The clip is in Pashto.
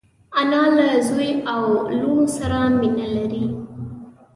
انا له زوی او لوڼو سره مینه لري